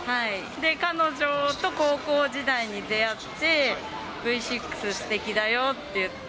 で、彼女と高校時代に出会って、Ｖ６すてきだよっていって。